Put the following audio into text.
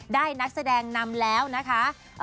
นักแสดงนำแล้วนะคะ